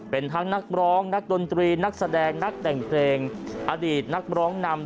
เป็นทั้งนักร้องนักดนตรีนักแสดงนักแต่งเพลงอดีตนักร้องนำ